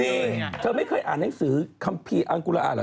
นี่เธอไม่เคยอ่านหนังสือคัมภีร์อังกุระอาเหรอ